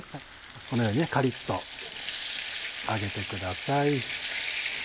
このようにカリっと揚げてください。